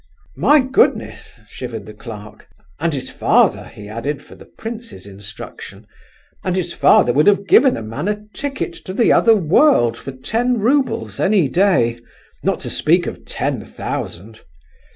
"My goodness!" shivered the clerk. "And his father," he added, for the prince's instruction, "and his father would have given a man a ticket to the other world for ten roubles any day—not to speak of ten thousand!"